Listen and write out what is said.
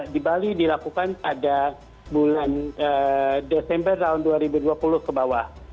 di bali dilakukan pada bulan desember tahun dua ribu dua puluh ke bawah